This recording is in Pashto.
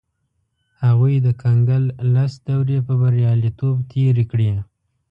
هغوی د کنګل لس دورې په بریالیتوب تېرې کړې.